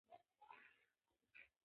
فاسټ فوډ څه زیان لري؟